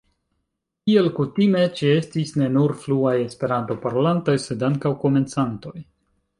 Kiel kutime ĉeestis ne nur fluaj Esperanto-parolantoj sed ankaŭ komencantoj.